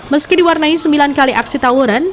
meski diwarnai sembilan kali aksi tawuran